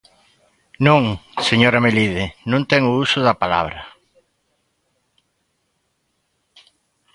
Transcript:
Non, señora Melide, non ten o uso da palabra.